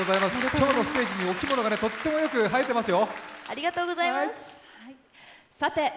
今日のステージ、お着物がとてもよく映えてますよ。